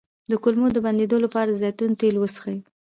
د کولمو د بندیدو لپاره د زیتون تېل وڅښئ